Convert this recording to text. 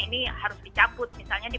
ini harus dicabut misalnya